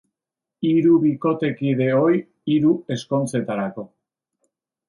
Hiru bikotekide ohi hiru ezkontzetarako.